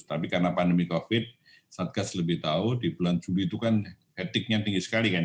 tapi karena pandemi covid satgas lebih tahu di bulan juli itu kan etiknya tinggi sekali kan